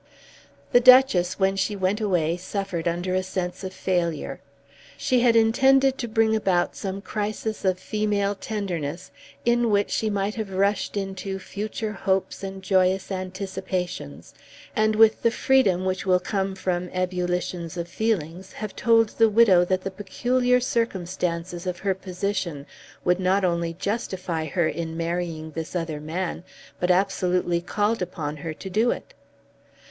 The Duchess when she went away suffered under a sense of failure. She had intended to bring about some crisis of female tenderness in which she might have rushed into future hopes and joyous anticipations, and with the freedom which will come from ebullitions of feeling, have told the widow that the peculiar circumstances of her position would not only justify her in marrying this other man but absolutely called upon her to do it.